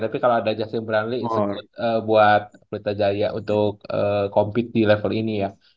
tapi kalau ada justin friendly buat pelita jaya untuk compete di level ini ya